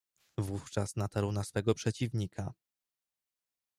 "Wówczas natarł na swego przeciwnika."